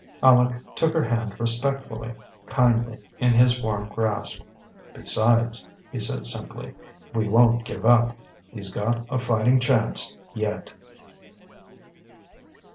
Aleck took her hand respectfully, kindly, in his warm grasp. "Besides," he said simply, "we won't give up. He's got a fighting chance yet."